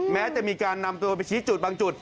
แม้จะมีการนำตัวไปชี้จุดบางจุด